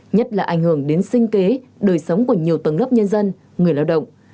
nhất là ảnh hưởng đến sinh kế đời sống của nhiều tầng lớp nhân dân người lao động